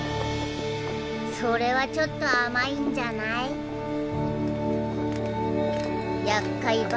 それはちょっと甘いんじゃない？